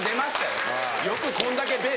よくこんだけ「ベ」